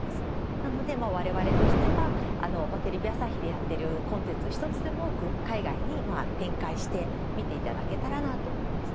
なので我々としてはテレビ朝日でやっているコンテンツを一つでも多く海外に展開して見て頂けたらなと思います。